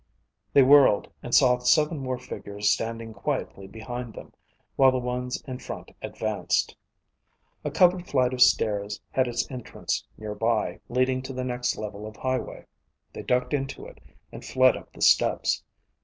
They whirled and saw seven more figures standing quietly behind them, while the ones in front advanced. A covered flight of stairs had its entrance nearby, leading to the next level of highway. They ducked into it and fled up the steps.